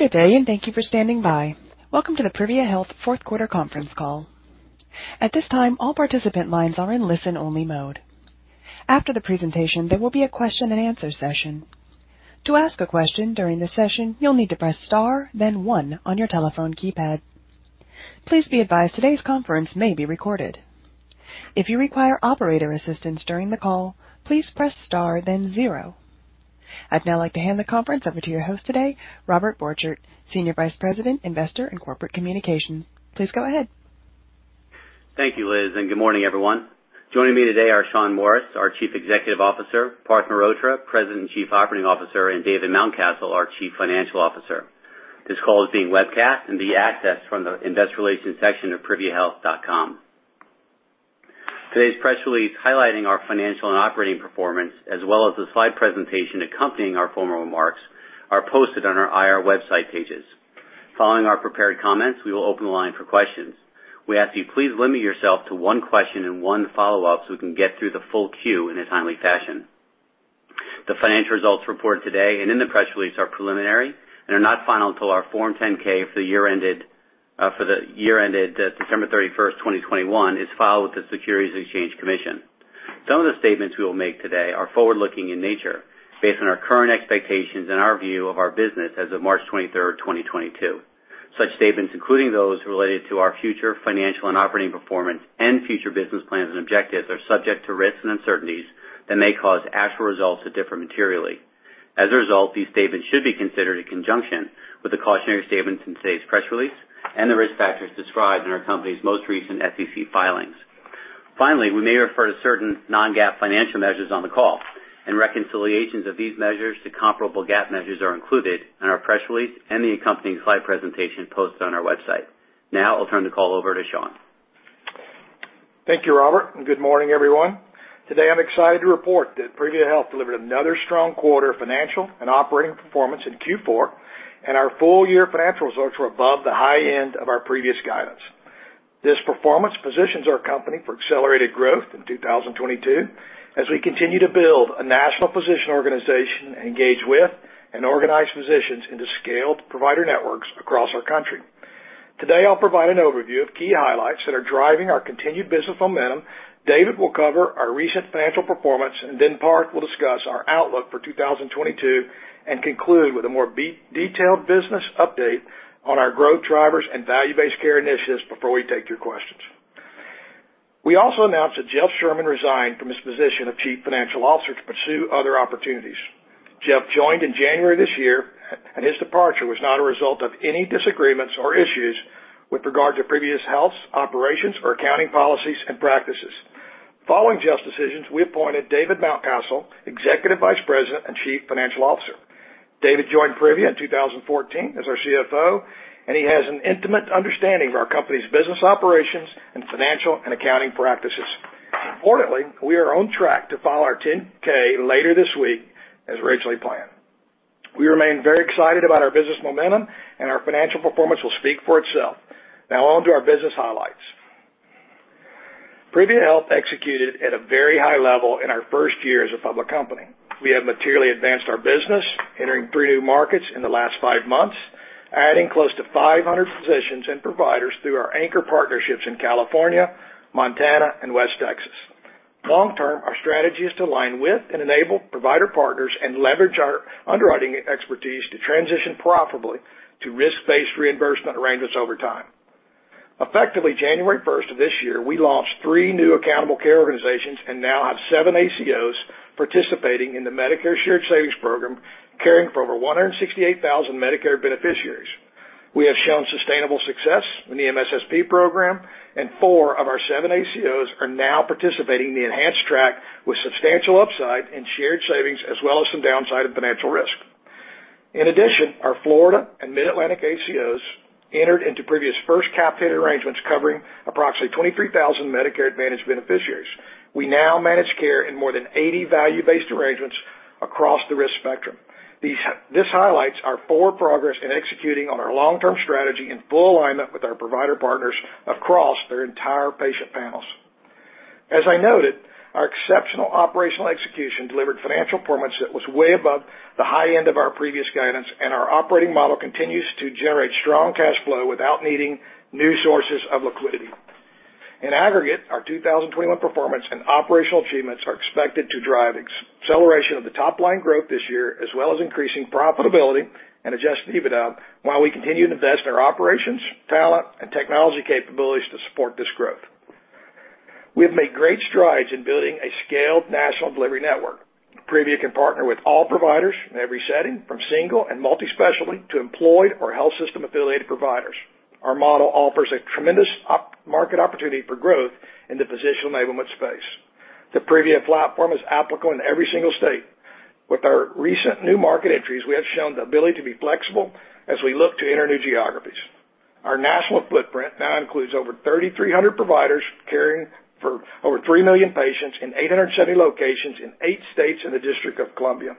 Good day, and thank you for standing by. Welcome to the Privia Health Fourth Quarter Conference Call. At this time, all participant lines are in listen-only mode. After the presentation, there will be a question-and-answer session. To ask a question during the session, you'll need to press Star, then one on your telephone keypad. Please be advised today's conference may be recorded. If you require operator assistance during the call, please press Star, then zero. I'd now like to hand the conference over to your host today, Robert Borchert, Senior Vice President, Investor and Corporate Communications. Please go ahead. Thank you, Liz, and good morning, everyone. Joining me today are Shawn Morris, our Chief Executive Officer, Parth Mehrotra, President and Chief Operating Officer, and David Mountcastle, our Chief Financial Officer. This call is being webcast and can be accessed from the Investor Relations section of priviahealth.com. Today's press release highlighting our financial and operating performance, as well as the slide presentation accompanying our formal remarks, are posted on our IR website pages. Following our prepared comments, we will open the line for questions. We ask you please limit yourself to one question and one follow-up so we can get through the full queue in a timely fashion. The financial results reported today and in the press release are preliminary and are not final until our Form 10-K for the year ended December 31, 2021 is filed with the Securities and Exchange Commission. Some of the statements we will make today are forward-looking in nature based on our current expectations and our view of our business as of March 23, 2022. Such statements, including those related to our future financial and operating performance and future business plans and objectives, are subject to risks and uncertainties that may cause actual results to differ materially. As a result, these statements should be considered in conjunction with the cautionary statements in today's press release and the risk factors described in our company's most recent SEC filings. Finally, we may refer to certain non-GAAP financial measures on the call, and reconciliations of these measures to comparable GAAP measures are included in our press release and the accompanying slide presentation posted on our website. Now I'll turn the call over to Sean. Thank you, Robert, and good morning, everyone. Today, I'm excited to report that Privia Health delivered another strong quarter of financial and operating performance in Q4, and our full-year financial results were above the high end of our previous guidance. This performance positions our company for accelerated growth in 2022 as we continue to build a national physician organization, engage with and organize physicians into scaled provider networks across our country. Today, I'll provide an overview of key highlights that are driving our continued business momentum. David will cover our recent financial performance, and then Parth will discuss our outlook for 2022 and conclude with a more detailed business update on our growth drivers and value-based care initiatives before we take your questions. We also announced that Jeff Sherman resigned from his position of Chief Financial Officer to pursue other opportunities. Jeff joined in January of this year, and his departure was not a result of any disagreements or issues with regard to Privia Health's operations or accounting policies and practices. Following Jeff's decisions, we appointed David Mountcastle, Executive Vice President and Chief Financial Officer. David joined Privia in 2014 as our CFO, and he has an intimate understanding of our company's business operations and financial and accounting practices. Importantly, we are on track to file our 10-K later this week as originally planned. We remain very excited about our business momentum, and our financial performance will speak for itself. Now on to our business highlights. Privia Health executed at a very high level in our first year as a public company. We have materially advanced our business, entering 3 new markets in the last 5 months, adding close to 500 physicians and providers through our anchor partnerships in California, Montana, and West Texas. Long term, our strategy is to align with and enable provider partners and leverage our underwriting expertise to transition profitably to risk-based reimbursement arrangements over time. Effectively January first of this year, we launched 3 new accountable care organizations and now have 7 ACOs participating in the Medicare Shared Savings Program, caring for over 168,000 Medicare beneficiaries. We have shown sustainable success in the MSSP program, and 4 of our 7 ACOs are now participating in the enhanced track with substantial upside in shared savings as well as some downside of financial risk. In addition, our Florida and Mid-Atlantic ACOs entered into Privia's first capitated arrangements covering approximately 23,000 Medicare Advantage beneficiaries. We now manage care in more than 80 value-based arrangements across the risk spectrum. This highlights our full progress in executing on our long-term strategy in full alignment with our provider partners across their entire patient panels. As I noted, our exceptional operational execution delivered financial performance that was way above the high end of our previous guidance, and our operating model continues to generate strong cash flow without needing new sources of liquidity. In aggregate, our 2021 performance and operational achievements are expected to drive acceleration of the top-line growth this year, as well as increasing profitability and adjusted EBITDA while we continue to invest in our operations, talent, and technology capabilities to support this growth. We have made great strides in building a scaled national delivery network. Privia can partner with all providers in every setting, from single and multi-specialty to employed or health system-affiliated providers. Our model offers a tremendous market opportunity for growth in the physician enablement space. The Privia platform is applicable in every single state. With our recent new market entries, we have shown the ability to be flexible as we look to enter new geographies. Our national footprint now includes over 3,300 providers caring for over 3 million patients in 870 locations in 8 states in the District of Columbia.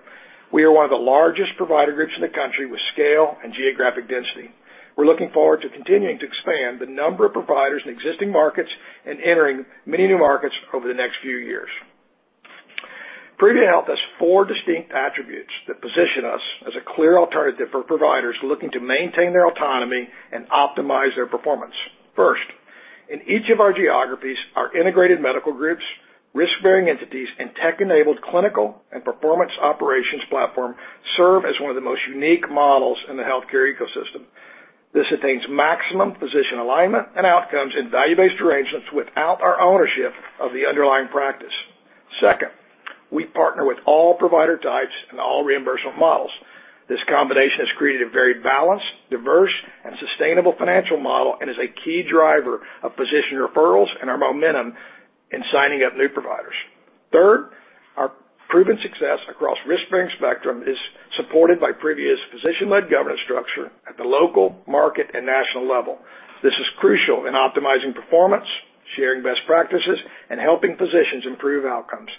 We are one of the largest provider groups in the country with scale and geographic density. We're looking forward to continuing to expand the number of providers in existing markets and entering many new markets over the next few years. Privia Health has four distinct attributes that position us as a clear alternative for providers looking to maintain their autonomy and optimize their performance. First, in each of our geographies, our integrated medical groups, risk-bearing entities, and tech-enabled clinical and performance operations platform serve as one of the most unique models in the healthcare ecosystem. This attains maximum physician alignment and outcomes in value-based arrangements without our ownership of the underlying practice. Second, we partner with all provider types and all reimbursement models. This combination has created a very balanced, diverse, and sustainable financial model and is a key driver of physician referrals and our momentum in signing up new providers. Third, our proven success across risk-bearing spectrum is supported by Privia's physician-led governance structure at the local, market, and national level. This is crucial in optimizing performance, sharing best practices, and helping physicians improve outcomes.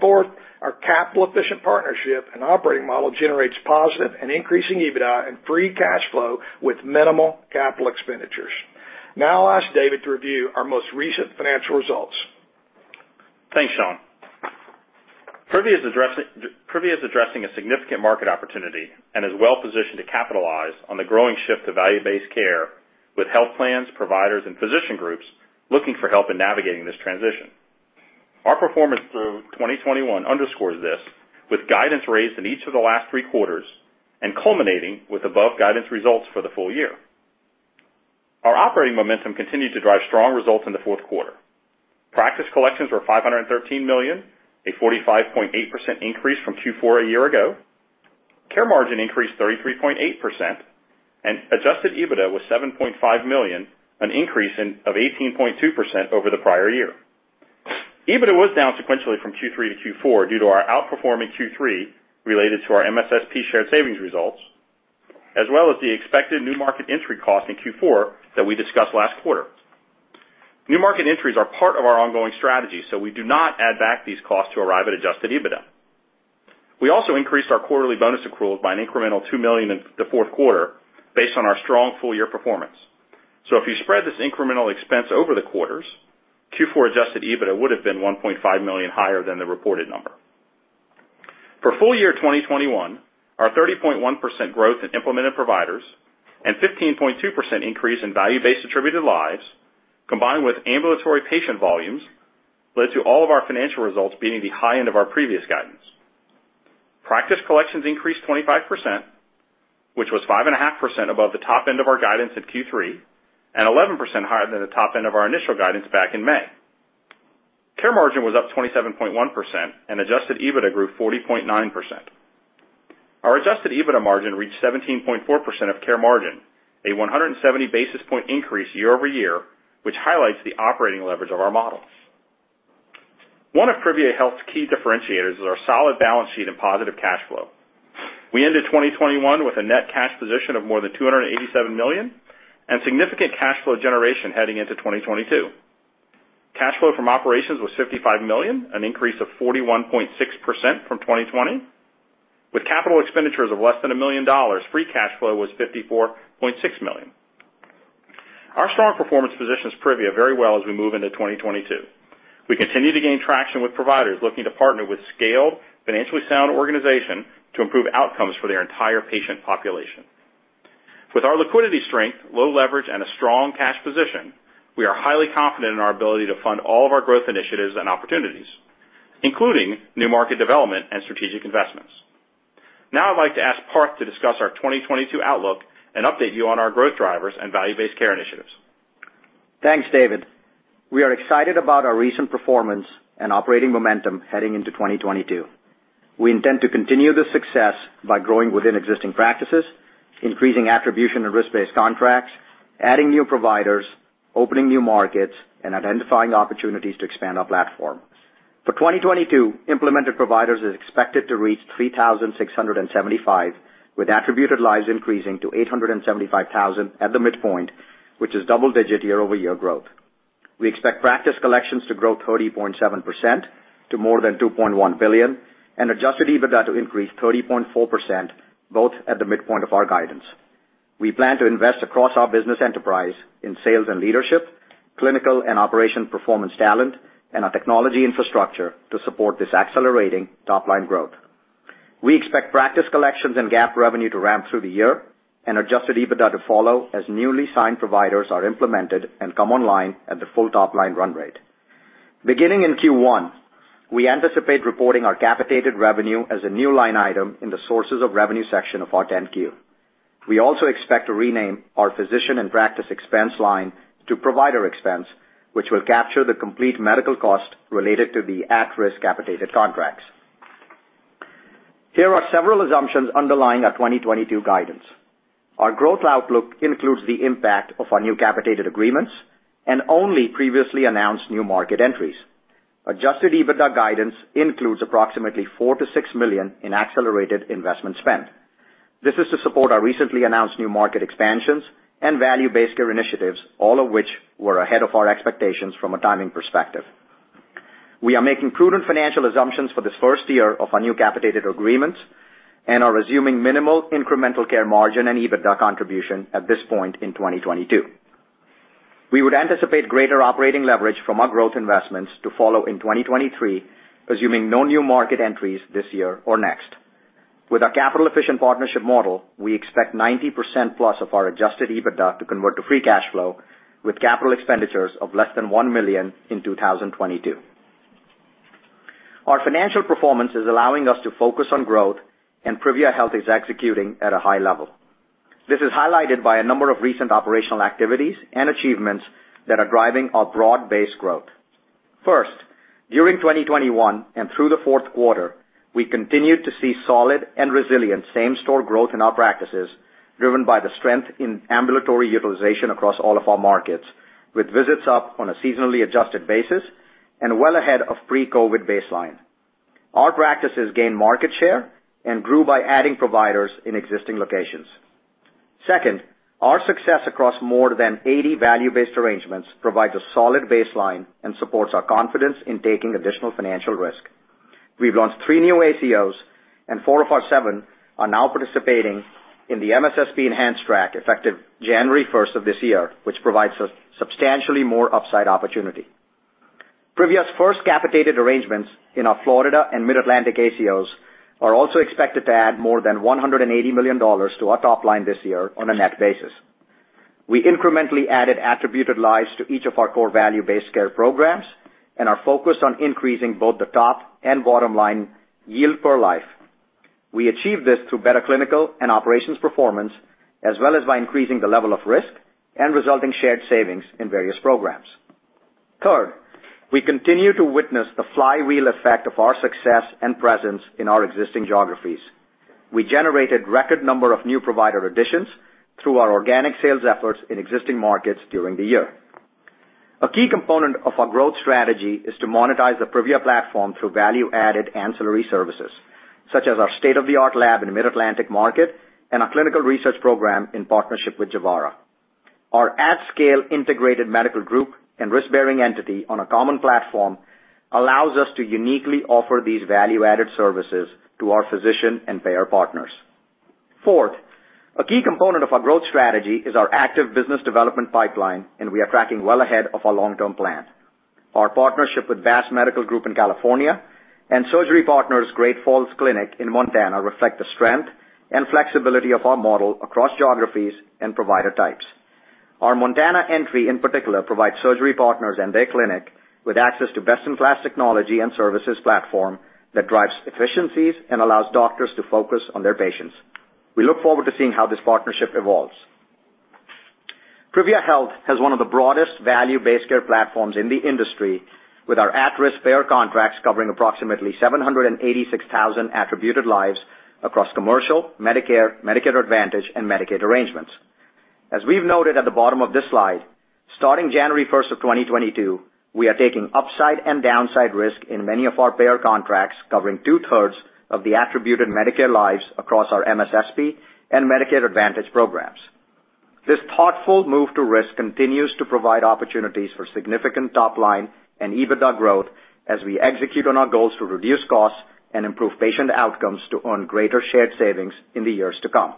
Fourth, our capital-efficient partnership and operating model generates positive and increasing EBITDA and free cash flow with minimal capital expenditures. Now I'll ask David to review our most recent financial results. Thanks, Sean. Privia is addressing a significant market opportunity and is well-positioned to capitalize on the growing shift to value-based care with health plans, providers, and physician groups looking for help in navigating this transition. Our performance through 2021 underscores this, with guidance raised in each of the last three quarters and culminating with above guidance results for the full year. Our operating momentum continued to drive strong results in the fourth quarter. Practice collections were $513 million, a 45.8% increase from Q4 a year ago. Care margin increased 33.8%, and adjusted EBITDA was $7.5 million, an increase of 18.2% over the prior year. EBITDA was down sequentially from Q3 to Q4 due to our outperforming Q3 related to our MSSP shared savings results, as well as the expected new market entry cost in Q4 that we discussed last quarter. New market entries are part of our ongoing strategy, so we do not add back these costs to arrive at adjusted EBITDA. We also increased our quarterly bonus accrual by an incremental $2 million in the fourth quarter based on our strong full year performance. If you spread this incremental expense over the quarters, Q4 adjusted EBITDA would have been $1.5 million higher than the reported number. For full year 2021, our 30.1% growth in implemented providers and 15.2% increase in value-based attributed lives, combined with ambulatory patient volumes, led to all of our financial results beating the high end of our previous guidance. Practice collections increased 25%, which was 5.5% above the top end of our guidance in Q3 and 11% higher than the top end of our initial guidance back in May. Care margin was up 27.1%, and adjusted EBITDA grew 40.9%. Our adjusted EBITDA margin reached 17.4% of care margin, a 170 basis point increase year over year, which highlights the operating leverage of our models. One of Privia Health's key differentiators is our solid balance sheet and positive cash flow. We ended 2021 with a net cash position of more than $287 million and significant cash flow generation heading into 2022. Cash flow from operations was $55 million, an increase of 41.6% from 2020. With capital expenditures of less than $1 million, free cash flow was $54.6 million. Our strong performance positions Privia very well as we move into 2022. We continue to gain traction with providers looking to partner with scaled, financially sound organization to improve outcomes for their entire patient population. With our liquidity strength, low leverage, and a strong cash position, we are highly confident in our ability to fund all of our growth initiatives and opportunities, including new market development and strategic investments. Now I'd like to ask Parth to discuss our 2022 outlook and update you on our growth drivers and value-based care initiatives. Thanks, David. We are excited about our recent performance and operating momentum heading into 2022. We intend to continue this success by growing within existing practices, increasing attribution and risk-based contracts, adding new providers, opening new markets, and identifying opportunities to expand our platform. For 2022, implemented providers is expected to reach 3,675, with attributed lives increasing to 875,000 at the midpoint, which is double-digit year-over-year growth. We expect practice collections to grow 30.7% to more than $2.1 billion and adjusted EBITDA to increase 30.4%, both at the midpoint of our guidance. We plan to invest across our business enterprise in sales and leadership, clinical and operation performance talent, and our technology infrastructure to support this accelerating top-line growth. We expect practice collections and GAAP revenue to ramp through the year and adjusted EBITDA to follow as newly signed providers are implemented and come online at the full top-line run rate. Beginning in Q1, we anticipate reporting our capitated revenue as a new line item in the sources of revenue section of our 10-Q. We also expect to rename our physician and practice expense line to provider expense, which will capture the complete medical cost related to the at-risk capitated contracts. Here are several assumptions underlying our 2022 guidance. Our growth outlook includes the impact of our new capitated agreements and only previously announced new market entries. Adjusted EBITDA guidance includes approximately $4 million-$6 million in accelerated investment spend. This is to support our recently announced new market expansions and value-based care initiatives, all of which were ahead of our expectations from a timing perspective. We are making prudent financial assumptions for this first year of our new capitated agreements and are resuming minimal incremental care margin and EBITDA contribution at this point in 2022. We would anticipate greater operating leverage from our growth investments to follow in 2023, assuming no new market entries this year or next. With our capital-efficient partnership model, we expect 90%+ of our adjusted EBITDA to convert to free cash flow with capital expenditures of less than $1 million in 2022. Our financial performance is allowing us to focus on growth, and Privia Health is executing at a high level. This is highlighted by a number of recent operational activities and achievements that are driving our broad-based growth. First, during 2021 and through the fourth quarter, we continued to see solid and resilient same-store growth in our practices, driven by the strength in ambulatory utilization across all of our markets, with visits up on a seasonally adjusted basis and well ahead of pre-COVID baseline. Our practices gained market share and grew by adding providers in existing locations. Second, our success across more than 80 value-based arrangements provides a solid baseline and supports our confidence in taking additional financial risk. We've launched 3 new ACOs, and 4 of our 7 are now participating in the MSSP enhanced track effective January 1 of this year, which provides us substantially more upside opportunity. Privia's first capitated arrangements in our Florida and Mid-Atlantic ACOs are also expected to add more than $180 million to our top line this year on a net basis. We incrementally added attributed lives to each of our core value-based care programs and are focused on increasing both the top and bottom line yield per life. We achieve this through better clinical and operations performance, as well as by increasing the level of risk and resulting shared savings in various programs. Third, we continue to witness the flywheel effect of our success and presence in our existing geographies. We generated record number of new provider additions through our organic sales efforts in existing markets during the year. A key component of our growth strategy is to monetize the Privia platform through value-added ancillary services, such as our state-of-the-art lab in the Mid-Atlantic market and our clinical research program in partnership with Javara. Our at-scale integrated medical group and risk-bearing entity on a common platform allows us to uniquely offer these value-added services to our physician and payer partners. Fourth, a key component of our growth strategy is our active business development pipeline, and we are tracking well ahead of our long-term plan. Our partnership with BASS Medical Group in California and Surgery Partners Great Falls Clinic in Montana reflect the strength and flexibility of our model across geographies and provider types. Our Montana entry, in particular, provides Surgery Partners and their clinic with access to best-in-class technology and services platform that drives efficiencies and allows doctors to focus on their patients. We look forward to seeing how this partnership evolves. Privia Health has one of the broadest value-based care platforms in the industry, with our at-risk payer contracts covering approximately 786,000 attributed lives across commercial, Medicare Advantage, and Medicaid arrangements. As we've noted at the bottom of this slide, starting January 1, 2022, we are taking upside and downside risk in many of our payer contracts, covering two-thirds of the attributed Medicare lives across our MSSP and Medicare Advantage programs. This thoughtful move to risk continues to provide opportunities for significant top line and EBITDA growth as we execute on our goals to reduce costs and improve patient outcomes to earn greater shared savings in the years to come.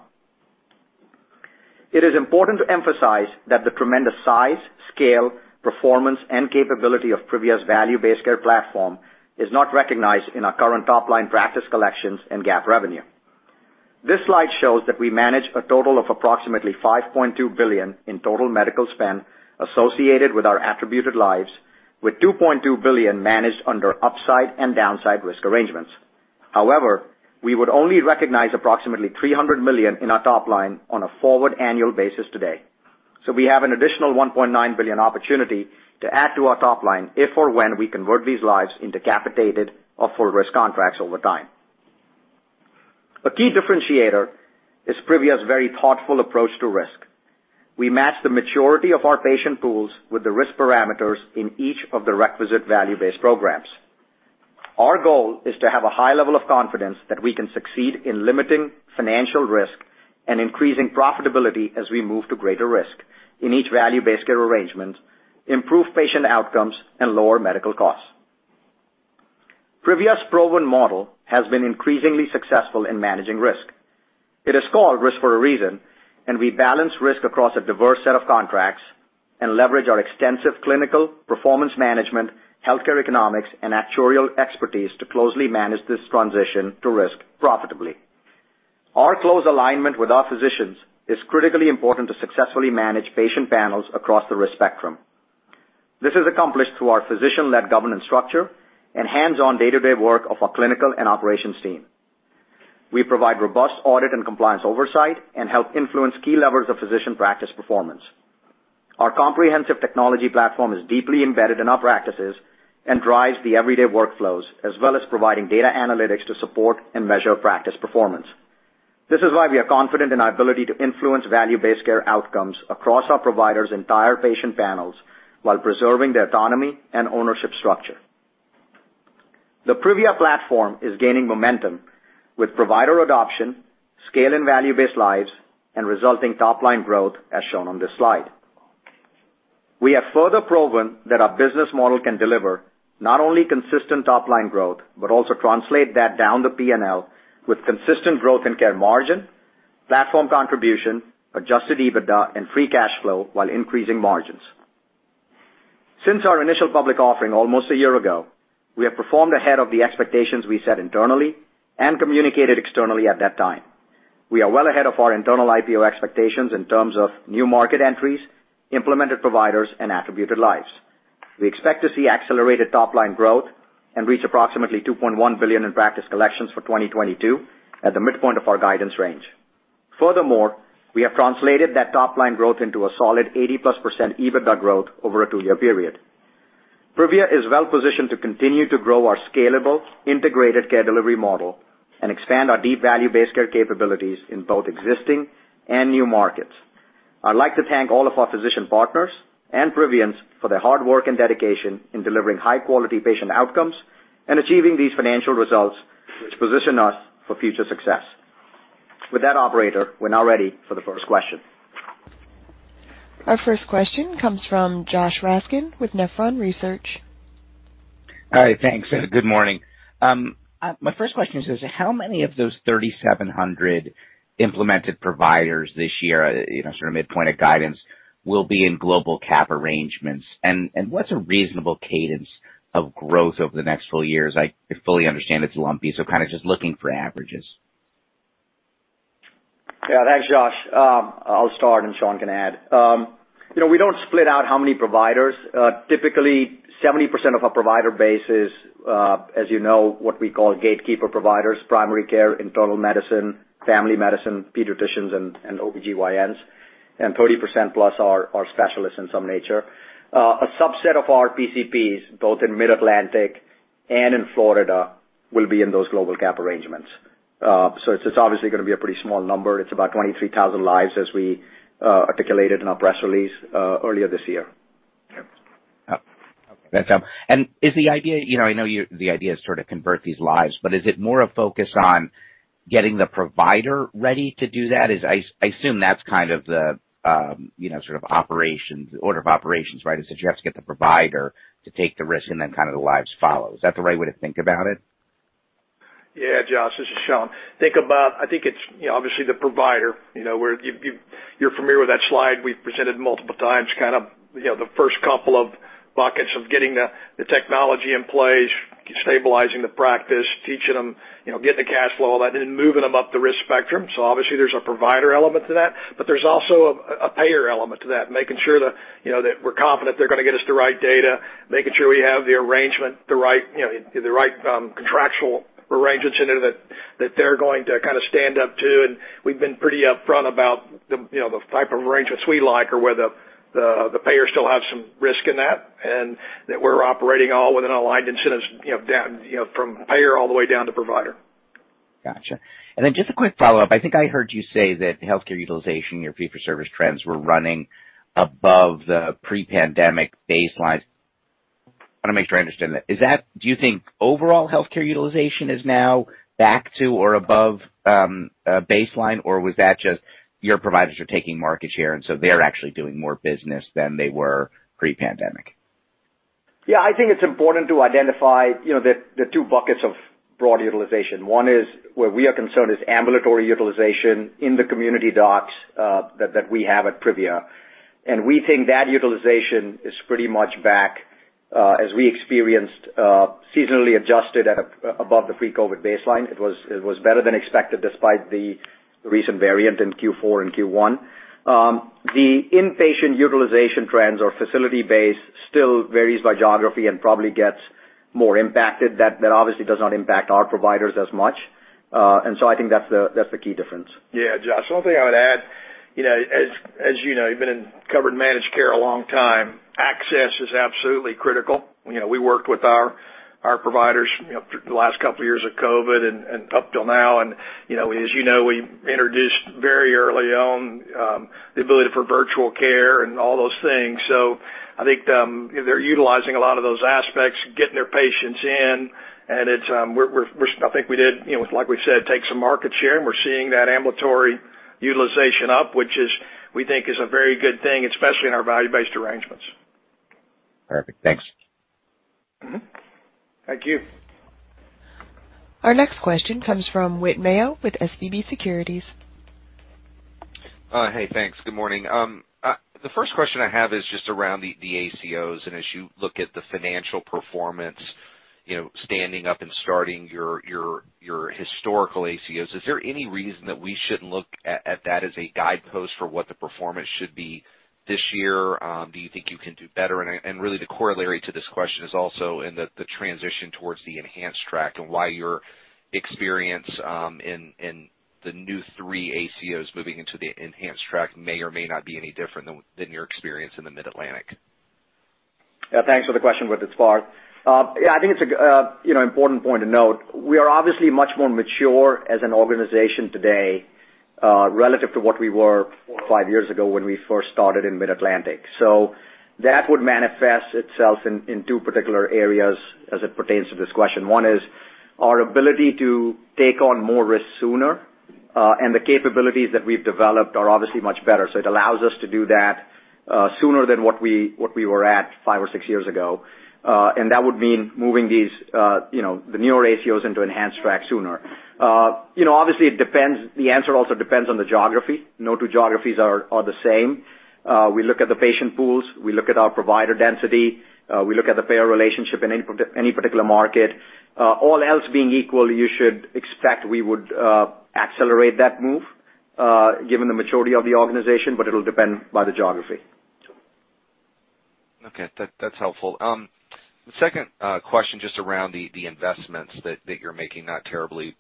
It is important to emphasize that the tremendous size, scale, performance, and capability of Privia's value-based care platform is not recognized in our current top-line practice collections and GAAP revenue. This slide shows that we manage a total of approximately $5.2 billion in total medical spend associated with our attributed lives, with $2.2 billion managed under upside and downside risk arrangements. However, we would only recognize approximately $300 million in our top line on a forward annual basis today. We have an additional $1.9 billion opportunity to add to our top line if or when we convert these lives into capitated or full risk contracts over time. A key differentiator is Privia's very thoughtful approach to risk. We match the maturity of our patient pools with the risk parameters in each of the requisite value-based programs. Our goal is to have a high level of confidence that we can succeed in limiting financial risk and increasing profitability as we move to greater risk in each value-based care arrangement, improve patient outcomes, and lower medical costs. Privia's proven model has been increasingly successful in managing risk. It is called risk for a reason, and we balance risk across a diverse set of contracts and leverage our extensive clinical, performance management, healthcare economics, and actuarial expertise to closely manage this transition to risk profitably. Our close alignment with our physicians is critically important to successfully manage patient panels across the risk spectrum. This is accomplished through our physician-led governance structure and hands-on day-to-day work of our clinical and operations team. We provide robust audit and compliance oversight and help influence key levers of physician practice performance. Our comprehensive technology platform is deeply embedded in our practices and drives the everyday workflows, as well as providing data analytics to support and measure practice performance. This is why we are confident in our ability to influence value-based care outcomes across our providers' entire patient panels while preserving their autonomy and ownership structure. The Privia platform is gaining momentum with provider adoption, scale and value-based lives, and resulting top-line growth as shown on this slide. We have further proven that our business model can deliver not only consistent top-line growth but also translate that down the P&L with consistent growth in care margin, platform contribution, adjusted EBITDA, and free cash flow while increasing margins. Since our initial public offering almost a year ago, we have performed ahead of the expectations we set internally and communicated externally at that time. We are well ahead of our internal IPO expectations in terms of new market entries, implemented providers, and attributed lives. We expect to see accelerated top-line growth and reach approximately $2.1 billion in practice collections for 2022 at the midpoint of our guidance range. Furthermore, we have translated that top line growth into a solid 80%+ EBITDA growth over a two-year period. Privia is well positioned to continue to grow our scalable, integrated care delivery model and expand our deep value-based care capabilities in both existing and new markets. I'd like to thank all of our physician partners and Privians for their hard work and dedication in delivering high-quality patient outcomes and achieving these financial results, which position us for future success. With that operator, we're now ready for the first question. Our first question comes from Josh Raskin with Nephron Research. All right, thanks. Good morning. My first question is, how many of those 3,700 implemented providers this year, you know, sort of midpoint of guidance, will be in global cap arrangements? What's a reasonable cadence of growth over the next few years? I fully understand it's lumpy, so kind of just looking for averages. Yeah. Thanks, Josh. I'll start, and Sean can add. You know, we don't split out how many providers. Typically, 70% of our provider base is, as you know, what we call gatekeeper providers: primary care, internal medicine, family medicine, pediatricians, and OBGYNs. And 30% plus are specialists in some nature. A subset of our PCPs, both in Mid-Atlantic and in Florida, will be in those global cap arrangements. So it's obviously gonna be a pretty small number. It's about 23,000 lives as we articulated in our press release earlier this year. Okay. That's helpful. Is the idea, you know, the idea is sort of convert these lives, but is it more a focus on getting the provider ready to do that? I assume that's kind of the, you know, sort of operations, order of operations, right? Is that you have to get the provider to take the risk and then kind of the lives follow. Is that the right way to think about it? Yeah. Josh, this is Shawn. Think about, I think it's, you know, obviously the provider, you know, where you're familiar with that slide we've presented multiple times, kind of, you know, the first couple of buckets of getting the technology in place, stabilizing the practice, teaching them, you know, getting the cash flow, all that, and then moving them up the risk spectrum. Obviously, there's a provider element to that, but there's also a payer element to that, making sure that, you know, that we're confident they're gonna get us the right data, making sure we have the arrangement, the right, you know, the right contractual arrangements in there that they're going to kind of stand up to. We've been pretty upfront about the, you know, the type of arrangements we like or where the payers still have some risk in that, and that we're operating all within aligned incentives, you know, down, you know, from payer all the way down to provider. Gotcha. Just a quick follow-up. I think I heard you say that healthcare utilization, your fee-for-service trends were running above the pre-pandemic baselines. I wanna make sure I understand that. Do you think overall healthcare utilization is now back to or above baseline? Or was that just your providers are taking market share, and so they're actually doing more business than they were pre-pandemic? Yeah, I think it's important to identify, you know, the two buckets of broad utilization. One is, where we are concerned, is ambulatory utilization in the community docs that we have at Privia. We think that utilization is pretty much back as we experienced, seasonally adjusted above the pre-COVID baseline. It was better than expected despite the recent variant in Q4 and Q1. The inpatient utilization trends or facility base still varies by geography and probably gets more impacted. That obviously does not impact our providers as much. I think that's the key difference. Yeah. Josh, one thing I would add, you know, as you know, you've been in covered managed care a long time, access is absolutely critical. You know, we worked with our providers, you know, through the last couple of years of COVID and up till now. You know, as you know, we introduced very early on the ability for virtual care and all those things. I think they're utilizing a lot of those aspects, getting their patients in. I think we did, you know, like we said, take some market share, and we're seeing that ambulatory utilization up, which we think is a very good thing, especially in our value-based arrangements. Perfect. Thanks. Thank you. Our next question comes from Whit Mayo with SVB Securities. Hey, thanks. Good morning. The first question I have is just around the ACOs. As you look at the financial performance, you know, standing up and starting your historical ACOs, is there any reason that we shouldn't look at that as a guidepost for what the performance should be this year? Do you think you can do better? Really the corollary to this question is also in the transition towards the enhanced track and why your experience in the new three ACOs moving into the enhanced track may or may not be any different than your experience in the Mid-Atlantic. Yeah, thanks for the question, Whit. It's Par. Yeah, I think it's a, you know, important point to note. We are obviously much more mature as an organization today, relative to what we were four or five years ago when we first started in Mid-Atlantic. That would manifest itself in two particular areas as it pertains to this question. One is our ability to take on more risk sooner, and the capabilities that we've developed are obviously much better. It allows us to do that sooner than what we were at five or six years ago. That would mean moving these, you know, the newer ACOs into enhanced track sooner. You know, obviously it depends, the answer also depends on the geography. No two geographies are the same. We look at the patient pools, we look at our provider density, we look at the payer relationship in any particular market. All else being equal, you should expect we would accelerate that move, given the maturity of the organization, but it'll depend by the geography. Okay. That's helpful. The second question just around the investments that you're making, not terribly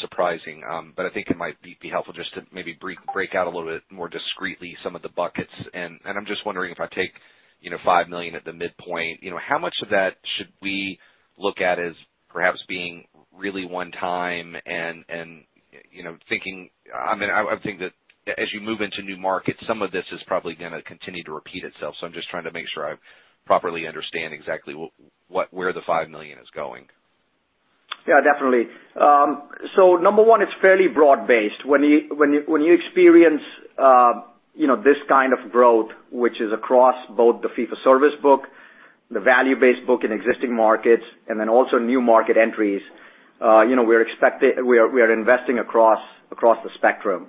surprising. But I think it might be helpful just to maybe break out a little bit more discretely some of the buckets. I'm just wondering if I take, you know, $5 million at the midpoint, you know, how much of that should we look at as perhaps being really one time and, you know, thinking. I mean, I would think that as you move into new markets, some of this is probably gonna continue to repeat itself, so I'm just trying to make sure I properly understand exactly what where the $5 million is going. Yeah, definitely. Number one, it's fairly broad-based. When you experience, you know, this kind of growth, which is across both the fee-for-service book, the value-based book in existing markets, and then also new market entries, we are investing across the spectrum.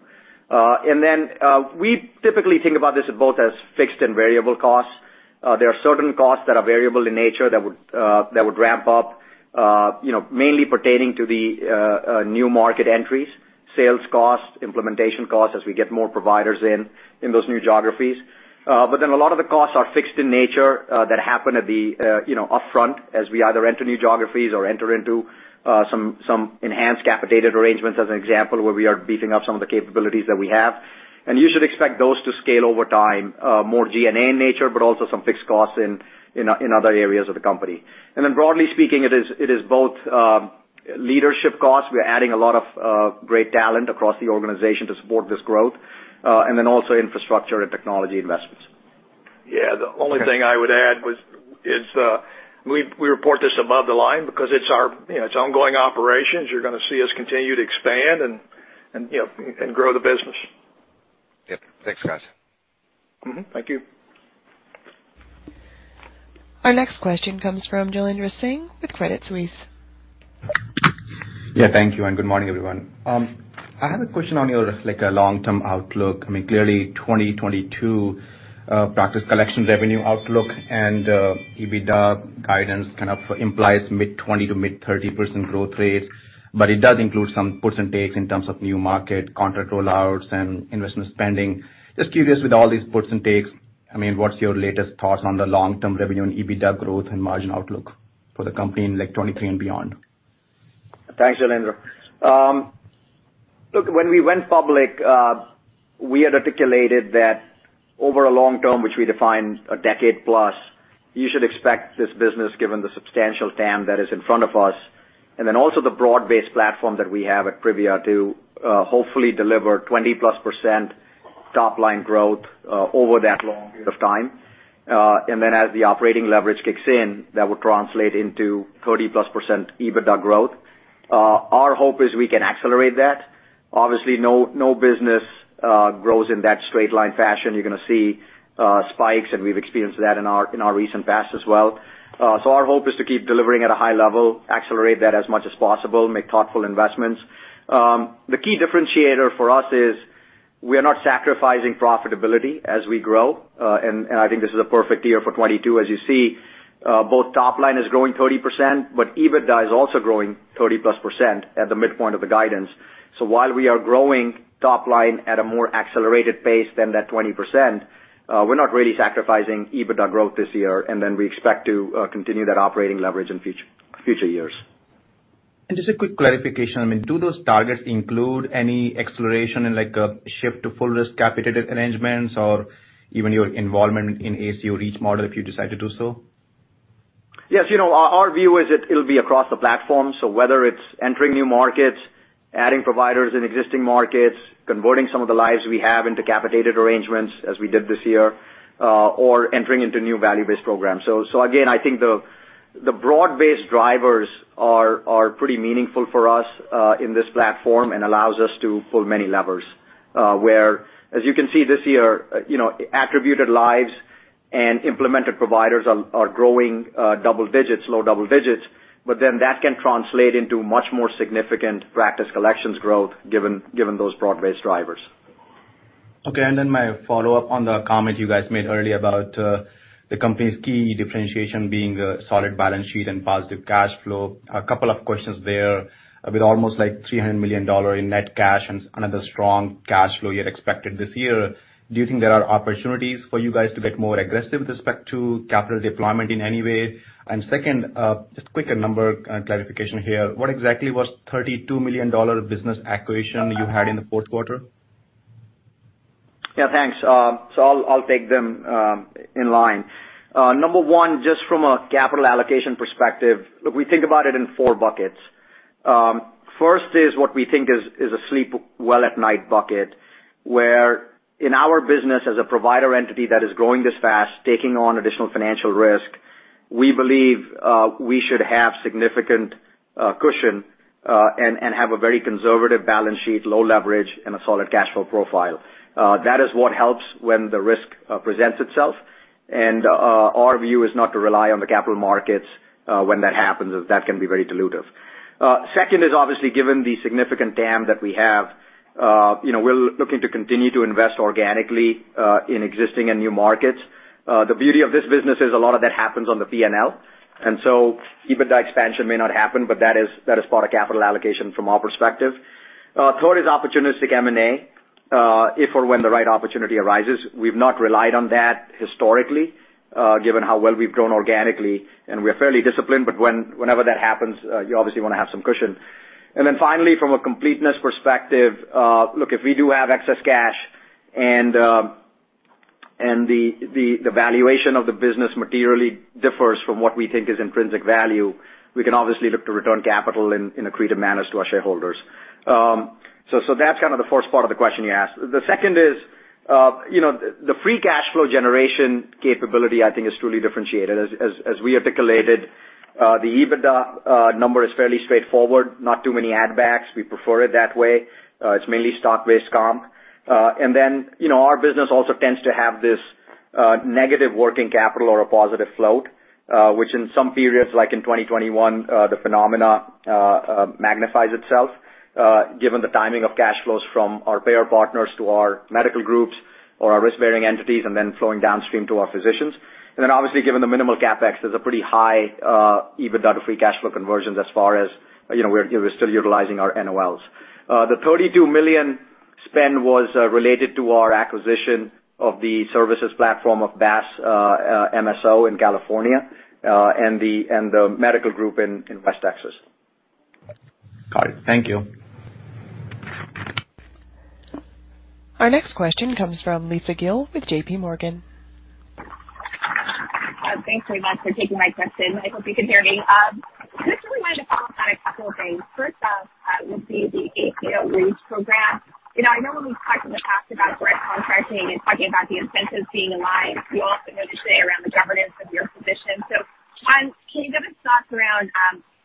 We typically think about this as both fixed and variable costs. There are certain costs that are variable in nature that would ramp up, mainly pertaining to the new market entries, sales costs, implementation costs as we get more providers in those new geographies. A lot of the costs are fixed in nature, that happen at the, you know, upfront as we either enter new geographies or enter into some enhanced capitated arrangements, as an example, where we are beefing up some of the capabilities that we have. You should expect those to scale over time, more G&A in nature, but also some fixed costs in other areas of the company. Broadly speaking, it is both leadership costs, we're adding a lot of great talent across the organization to support this growth, and then also infrastructure and technology investments. Yeah. Okay. The only thing I would add is we report this above the line because it's our, you know, it's ongoing operations. You're gonna see us continue to expand and you know and grow the business. Yep. Thanks, guys. Mm-hmm. Thank you. Our next question comes from Jailendra Singh with Credit Suisse. Yeah, thank you, and good morning, everyone. I have a question on your, like, long-term outlook. I mean, clearly 2022 practice collection revenue outlook and EBITDA guidance kind of implies mid-20% to mid-30% growth rate, but it does include some puts and takes in terms of new market, contract rollouts, and investment spending. Just curious, with all these puts and takes, I mean, what's your latest thoughts on the long-term revenue and EBITDA growth and margin outlook for the company in, like, 2023 and beyond? Thanks, Jailendra. Look, when we went public, we had articulated that over a long term, which we define a decade plus, you should expect this business, given the substantial TAM that is in front of us, and then also the broad-based platform that we have at Privia to hopefully deliver 20%+ top line growth over that long period of time. As the operating leverage kicks in, that will translate into 30%+ EBITDA growth. Our hope is we can accelerate that. Obviously, no business grows in that straight line fashion. You're gonna see spikes, and we've experienced that in our recent past as well. Our hope is to keep delivering at a high level, accelerate that as much as possible, make thoughtful investments. The key differentiator for us is we are not sacrificing profitability as we grow. I think this is a perfect year for 2022, as you see, both top line is growing 30%, but EBITDA is also growing 30+% at the midpoint of the guidance. While we are growing top line at a more accelerated pace than that 20%, we're not really sacrificing EBITDA growth this year, and then we expect to continue that operating leverage in future years. Just a quick clarification. I mean, do those targets include any exploration in, like, a shift to full risk capitated arrangements or even your involvement in ACO REACH model if you decide to do so? Yes. You know, our view is it'll be across the platform. Whether it's entering new markets, adding providers in existing markets, converting some of the lives we have into capitated arrangements as we did this year, or entering into new value-based programs. Again, I think the broad-based drivers are pretty meaningful for us in this platform and allows us to pull many levers. Whereas you can see this year, you know, attributed lives and implemented providers are growing double digits, low double digits, but then that can translate into much more significant practice collections growth given those broad-based drivers. Okay. My follow-up on the comment you guys made earlier about the company's key differentiation being the solid balance sheet and positive cash flow. A couple of questions there. With almost, like, $300 million in net cash and another strong cash flow you had expected this year, do you think there are opportunities for you guys to get more aggressive with respect to capital deployment in any way? Just a quick number clarification here. What exactly was $32 million business acquisition you had in the fourth quarter? Yeah, thanks. So I'll take them in line. Number one, just from a capital allocation perspective, look, we think about it in four buckets. First is what we think is a sleep well at night bucket, where in our business as a provider entity that is growing this fast, taking on additional financial risk. We believe we should have significant cushion and have a very conservative balance sheet, low leverage, and a solid cash flow profile. That is what helps when the risk presents itself. Our view is not to rely on the capital markets when that happens, as that can be very dilutive. Second is obviously given the significant TAM that we have, you know, we're looking to continue to invest organically in existing and new markets. The beauty of this business is a lot of that happens on the P&L. EBITDA expansion may not happen, but that is part of capital allocation from our perspective. Third is opportunistic M&A, if or when the right opportunity arises. We've not relied on that historically, given how well we've grown organically, and we're fairly disciplined, but whenever that happens, you obviously wanna have some cushion. Finally, from a completeness perspective, look, if we do have excess cash and the valuation of the business materially differs from what we think is intrinsic value, we can obviously look to return capital in accretive manners to our shareholders. So that's kind of the first part of the question you asked. The second is, you know, the free cash flow generation capability, I think is truly differentiated. As we articulated, the EBITDA number is fairly straightforward, not too many add backs. We prefer it that way. It's mainly stock-based comp. And then, you know, our business also tends to have this, negative working capital or a positive float, which in some periods, like in 2021, the phenomena magnifies itself, given the timing of cash flows from our payer partners to our medical groups or our risk-bearing entities, and then flowing downstream to our physicians. Obviously, given the minimal CapEx, there's a pretty high, EBITDA to free cash flow conversions as far as, you know, we're still utilizing our NOLs. The $32 million spend was related to our acquisition of the services platform of BASS MSO in California, and the medical group in West Texas. Got it. Thank you. Our next question comes from Lisa Gill with JP Morgan. Thanks very much for taking my question. I hope you can hear me. I'm just reminded to follow up on a couple of things. First off, the ACO REACH program. You know, I know when we've talked in the past about risk contracting and talking about the incentives being aligned, you also mentioned today around the governance of your physicians. Can you give us thoughts around,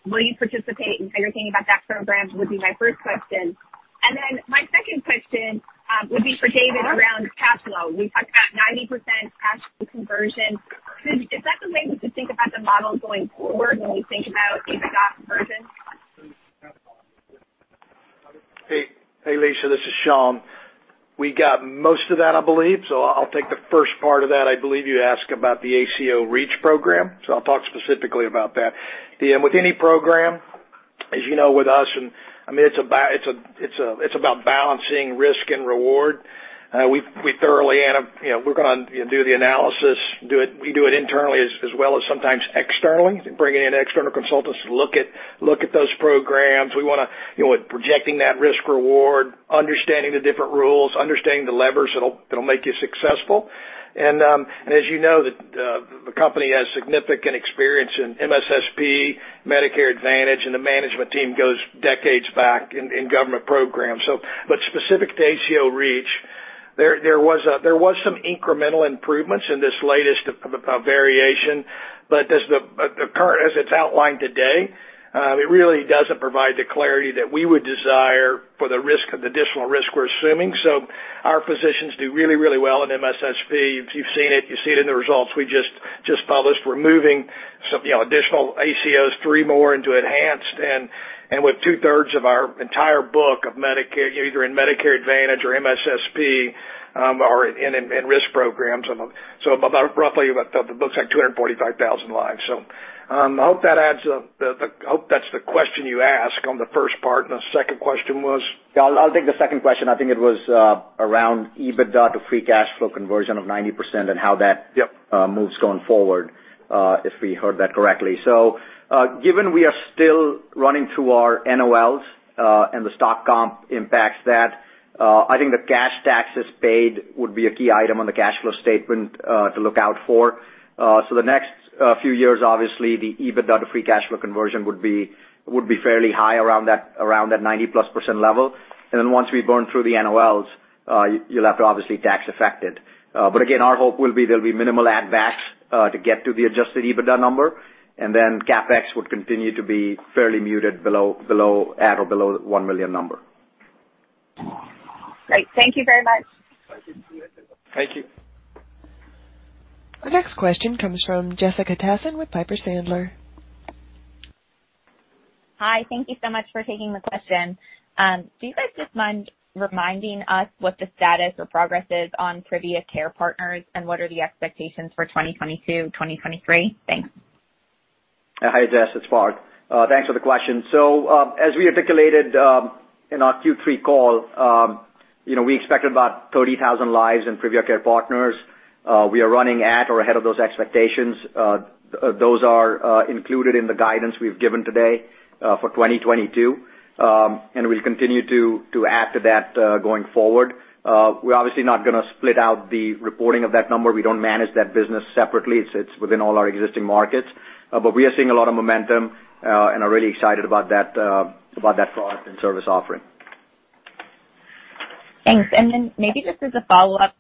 will you participate in anything about that program, would be my first question. Then my second question would be for David around cash flow. We talked about 90% cash conversion. Is that the way we should think about the model going forward when we think about EBITDA conversion? Hey, Lisa. This is Shawn. We got most of that, I believe. I'll take the first part of that. I believe you asked about the ACO REACH program, so I'll talk specifically about that. Ian, with any program, as you know, with us, I mean, it's about balancing risk and reward. We thoroughly you know, we're gonna do the analysis, we do it internally as well as sometimes externally, bringing in external consultants to look at those programs. We wanna you know, projecting that risk reward, understanding the different rules, understanding the levers that'll make you successful. As you know, the company has significant experience in MSSP, Medicare Advantage, and the management team goes decades back in government programs. But specific to ACO REACH, there was some incremental improvements in this latest variation. As the current, as it's outlined today, it really doesn't provide the clarity that we would desire for the risk of the additional risk we're assuming. Our physicians do really well in MSSP. You've seen it, you see it in the results we just published. We're moving some, you know, additional ACOs, three more into enhanced and with two-thirds of our entire book of Medicare, either in Medicare Advantage or MSSP, are in risk programs. About, roughly about, it looks like 245,000 lives. I hope that adds up. I hope that's the question you asked on the first part. The second question was? Yeah, I'll take the second question. I think it was around EBITDA to free cash flow conversion of 90% and how that Yep. Moves going forward, if we heard that correctly. Given we are still running through our NOLs, and the stock comp impacts that, I think the cash taxes paid would be a key item on the cash flow statement to look out for. The next few years, obviously, the EBITDA to free cash flow conversion would be fairly high around that 90%+ level. Then once we burn through the NOLs, you'll have to obviously tax affect it. Again, our hope will be there'll be minimal add backs to get to the adjusted EBITDA number, and then CapEx would continue to be fairly muted at or below the $1 million number. Great. Thank you very much. Thank you. Our next question comes from Jessica Tassan with Piper Sandler. Hi. Thank you so much for taking the question. Do you guys just mind reminding us what the status or progress is on Privia Care Partners and what are the expectations for 2022, 2023? Thanks. Hi, Jess. It's Parth. Thanks for the question. As we articulated in our Q3 call, you know, we expected about 30,000 lives in Privia Care Partners. We are running at or ahead of those expectations. Those are included in the guidance we've given today for 2022. We'll continue to add to that going forward. We're obviously not gonna split out the reporting of that number. We don't manage that business separately. It's within all our existing markets. We are seeing a lot of momentum and are really excited about that product and service offering. Thanks. Maybe just as a follow-up,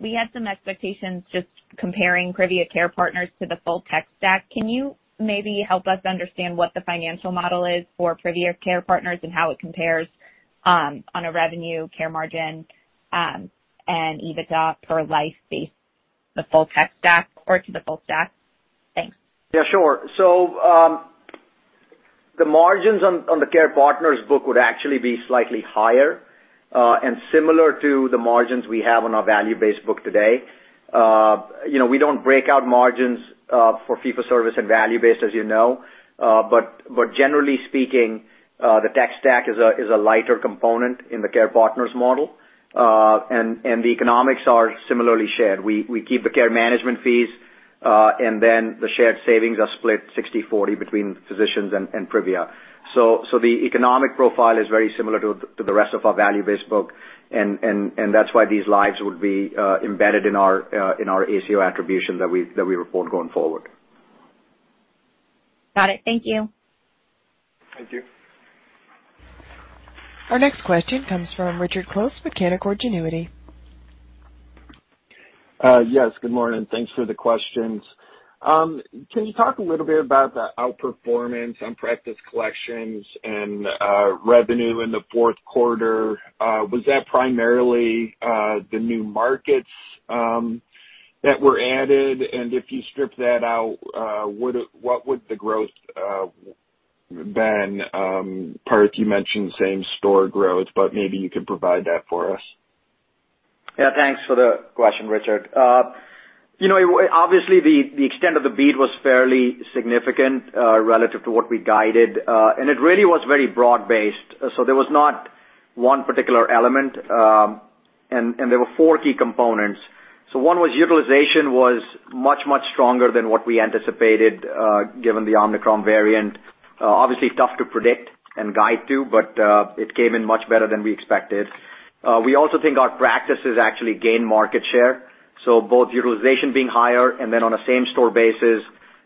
we had some expectations just comparing Privia Care Partners to the full tech stack. Can you maybe help us understand what the financial model is for Privia Care Partners and how it compares, on a revenue, care margin, and EBITDA per life basis, the full tech stack or to the full stack? Thanks. Yeah, sure. The margins on the Care Partners book would actually be slightly higher and similar to the margins we have on our value-based book today. You know, we don't break out margins for fee-for-service and value-based, as you know. Generally speaking, the tech stack is a lighter component in the Care Partners model. The economics are similarly shared. We keep the care management fees and then the shared savings are split 60/40 between physicians and Privia. The economic profile is very similar to the rest of our value-based book and that's why these lives would be embedded in our ACO attribution that we report going forward. Got it. Thank you. Thank you. Our next question comes from Richard Close with Canaccord Genuity. Yes, good morning. Thanks for the questions. Can you talk a little bit about the outperformance on practice collections and revenue in the fourth quarter? Was that primarily the new markets that were added? If you strip that out, what would the growth have been? Parth, you mentioned same store growth, but maybe you could provide that for us. Yeah, thanks for the question, Richard. You know, obviously, the extent of the beat was fairly significant relative to what we guided. It really was very broad-based. There was not one particular element, and there were four key components. One was utilization was much stronger than what we anticipated given the Omicron variant. Obviously tough to predict and guide to, but it came in much better than we expected. We also think our practices actually gained market share, so both utilization being higher and then on a same-store basis,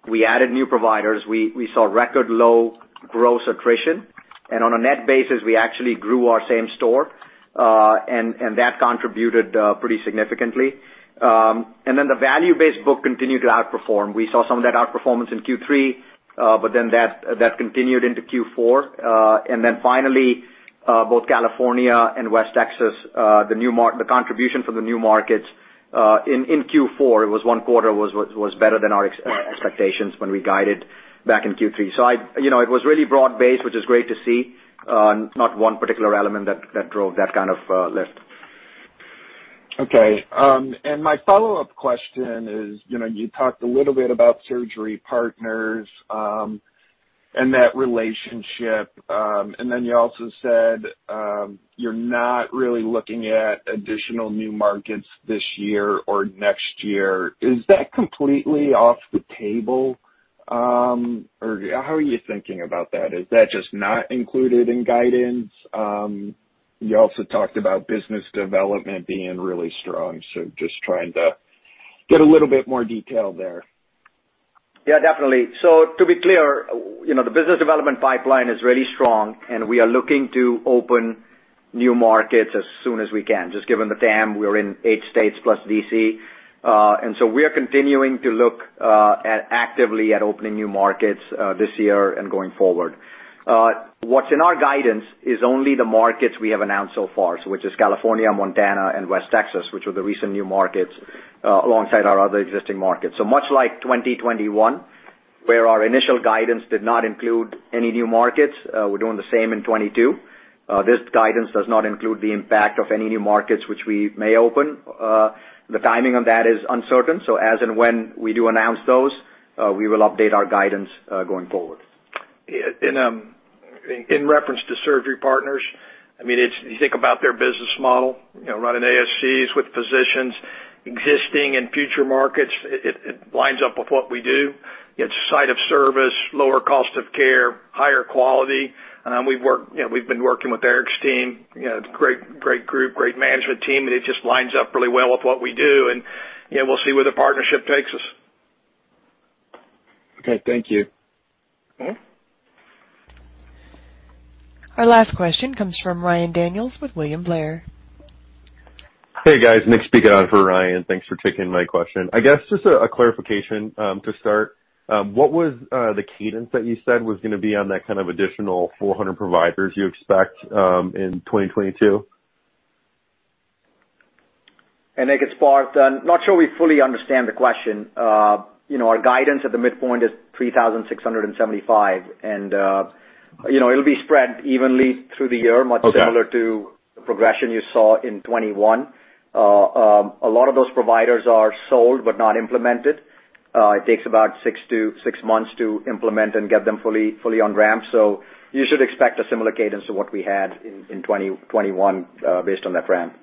we added new providers. We saw record low gross attrition. On a net basis, we actually grew our same-store, and that contributed pretty significantly. Then the value-based book continued to outperform. We saw some of that outperformance in Q3, but then that continued into Q4. Finally, both California and West Texas, the contribution from the new markets in Q4 was better than our expectations when we guided back in Q3. You know, it was really broad-based, which is great to see, not one particular element that drove that kind of lift. Okay. My follow-up question is, you know, you talked a little bit about Surgery Partners, and that relationship. You also said, you're not really looking at additional new markets this year or next year. Is that completely off the table? How are you thinking about that? Is that just not included in guidance? You also talked about business development being really strong, so just trying to get a little bit more detail there. Yeah, definitely. To be clear, you know, the business development pipeline is really strong, and we are looking to open new markets as soon as we can. Just given the TAM, we're in 8 states plus D.C. We are continuing to look actively at opening new markets this year and going forward. What's in our guidance is only the markets we have announced so far, so which is California, Montana and West Texas, which were the recent new markets, alongside our other existing markets. Much like 2021, where our initial guidance did not include any new markets, we're doing the same in 2022. This guidance does not include the impact of any new markets which we may open. The timing on that is uncertain, so as and when we do announce those, we will update our guidance going forward. In reference to Surgery Partners, I mean, it's you think about their business model, you know, running ASCs with physicians, existing in future markets, it lines up with what we do. It's site of service, lower cost of care, higher quality. We've worked, you know, we've been working with Eric's team, you know, great group, great management team, and it just lines up really well with what we do. We'll see where the partnership takes us. Okay, thank you. Okay. Our last question comes from Ryan Daniels with William Blair. Hey, guys. Nick speaking on for Ryan. Thanks for taking my question. I guess just a clarification to start. What was the cadence that you said was gonna be on that kind of additional 400 providers you expect in 2022? Nick, it's Parth. Not sure we fully understand the question. You know, our guidance at the midpoint is 3,675. You know, it'll be spread evenly through the year. Okay. Much similar to the progression you saw in 2021. A lot of those providers are sold but not implemented. It takes about six months to implement and get them fully on ramp. You should expect a similar cadence to what we had in 2021, based on that ramp.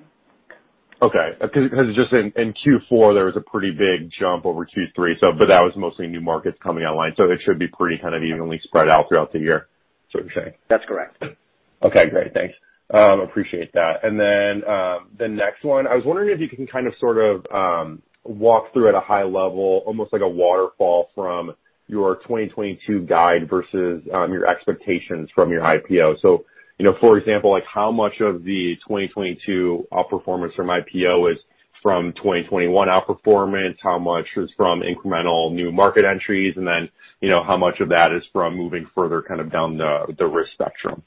Okay. 'Cause just in Q4, there was a pretty big jump over Q3. That was mostly new markets coming online, so it should be pretty kind of evenly spread out throughout the year. That's correct. Okay, great. Thanks. Appreciate that. I was wondering if you can kind of sort of walk through at a high level, almost like a waterfall from your 2022 guide versus your expectations from your IPO. You know, for example, like how much of the 2022 outperformance from IPO is from 2021 outperformance? How much is from incremental new market entries? And then, you know, how much of that is from moving further kind of down the risk spectrum?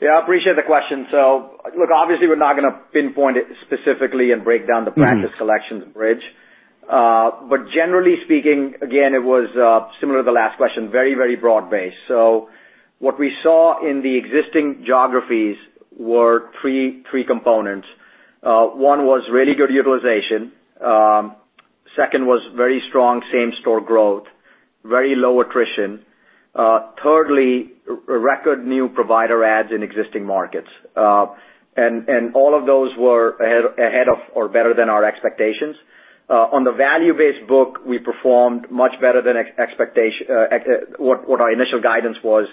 Yeah, I appreciate the question. Look, obviously we're not gonna pinpoint it specifically and break down the practice collections bridge. Generally speaking, again, it was similar to the last question, very broad-based. What we saw in the existing geographies were three components. One was really good utilization. Second was very strong same store growth, very low attrition. Thirdly, record new provider adds in existing markets. And all of those were ahead of or better than our expectations. On the value-based book, we performed much better than what our initial guidance was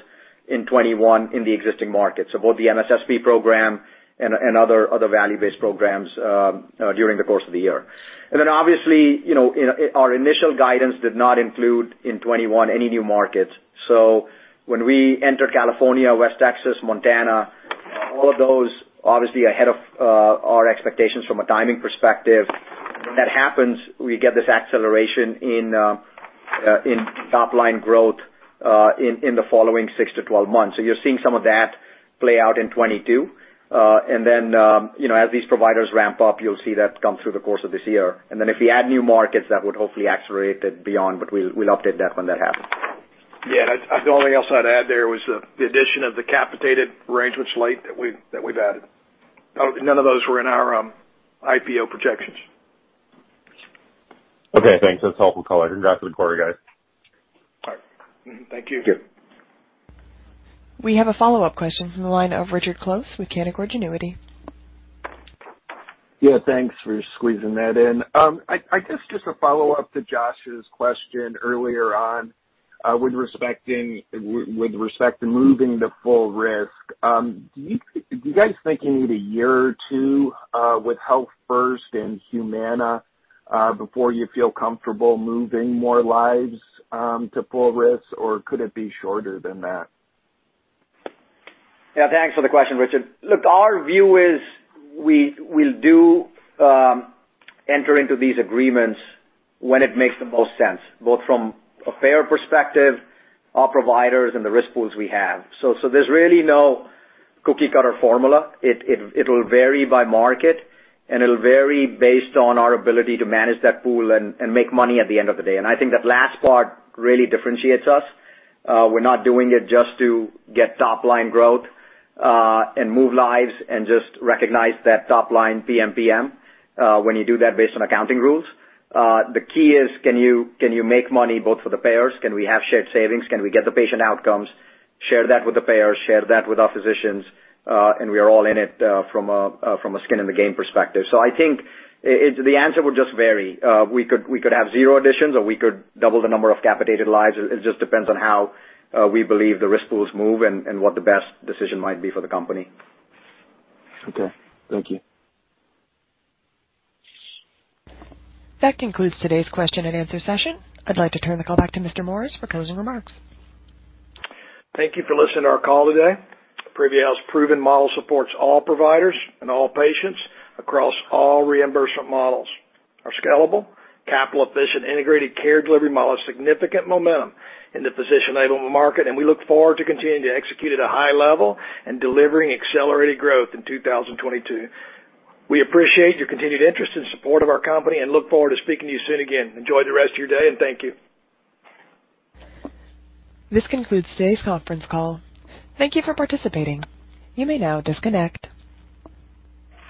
in 2021 in the existing markets. Both the MSSP program and other value-based programs during the course of the year. Obviously, you know, our initial guidance did not include in 2021 any new markets. When we entered California, West Texas, Montana, all of those obviously ahead of our expectations from a timing perspective. When that happens, we get this acceleration in top line growth in the following 6 to 12 months. You're seeing some of that play out in 2022. You know, as these providers ramp up, you'll see that come through the course of this year. If we add new markets, that would hopefully accelerate it beyond, but we'll update that when that happens. Yeah, the only other thing I'd add there was the addition of the capitated arrangements lately that we've added. None of those were in our IPO projections. Okay, thanks. That's helpful color. Congrats on the quarter, guys. All right. Thank you. Thank you. We have a follow-up question from the line of Richard Close with Canaccord Genuity. Yeah, thanks for squeezing that in. I guess just a follow-up to Josh's question earlier on, with respect to moving to full risk. Do you guys think you need a year or two with Healthfirst and Humana before you feel comfortable moving more lives to full risk, or could it be shorter than that? Yeah, thanks for the question, Richard. Look, our view is we'll enter into these agreements when it makes the most sense, both from a payer perspective, our providers and the risk pools we have. There's really no cookie-cutter formula. It'll vary by market, and it'll vary based on our ability to manage that pool and make money at the end of the day. I think that last part really differentiates us. We're not doing it just to get top line growth and move lives and just recognize that top line PMPM when you do that based on accounting rules. The key is can you make money both for the payers? Can we have shared savings? Can we get the patient outcomes, share that with the payers, share that with our physicians, and we are all in it, from a skin in the game perspective. I think the answer would just vary. We could have zero additions or we could double the number of capitated lives. It just depends on how we believe the risk pools move and what the best decision might be for the company. Okay. Thank you. That concludes today's question and answer session. I'd like to turn the call back to Mr. Morris for closing remarks. Thank you for listening to our call today. Privia Health's proven model supports all providers and all patients across all reimbursement models, are scalable, capital efficient integrated care delivery model, significant momentum in the physician-enabled market, and we look forward to continuing to execute at a high level and delivering accelerated growth in 2022. We appreciate your continued interest and support of our company and look forward to speaking to you soon again. Enjoy the rest of your day, and thank you. This concludes today's conference call. Thank you for participating. You may now disconnect.